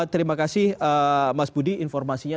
terima kasih mas budi informasinya